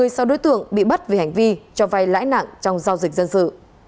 một mươi sáu đối tượng bị bắt vì hành vi cho vay lãi nặng trong giao dịch dân sự